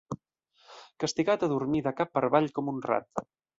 Castigat a dormir de cap per avall com un rat.